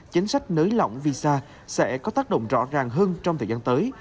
chính sách nới lỏng visa sẽ có tác động rõ ràng hơn trong thời gian tới